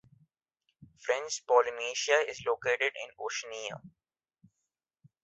French Polynesia is located in Oceania.